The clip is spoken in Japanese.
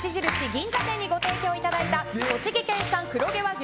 銀座店にご提供いただいた栃木県産黒毛和牛